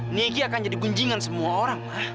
niki akan jadi gunjingan semua orang